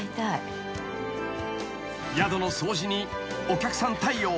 ［宿の掃除にお客さん対応］